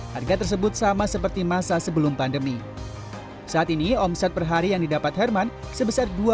harga tersebut sama seperti masa sebelum pandemi saat ini omset perhari yang didapat herman sebesar